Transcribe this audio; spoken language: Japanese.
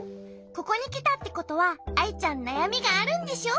ここにきたってことはアイちゃんなやみがあるんでしょ？